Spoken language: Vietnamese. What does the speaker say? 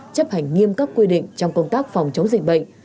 chấp hành nghiêm các quy định trong công tác phòng chống dịch bệnh